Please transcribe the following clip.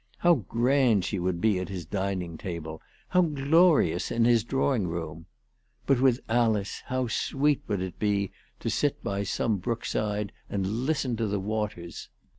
How grand she would be at his dining table, how glorious in his drawing room ! But with Alice how sweet would it be to sit by some brook side and listen to the waters